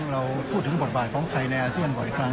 เราพูดถึงบทบาทของไทยในอาเซียนบ่อยครั้ง